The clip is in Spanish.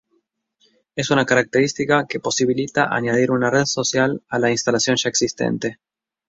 Es una característica que posibilita añadir una red social a la instalación ya existente.